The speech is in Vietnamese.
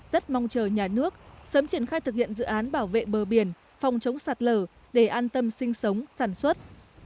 rất mong chờ nhà nước sớm triển khai thực hiện dự án bảo vệ bờ biển phòng chống sạt lở để an tâm sinh sống sản xuất